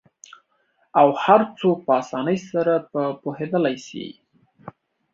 او هرڅوک په آسانۍ سره په پوهیدالی سي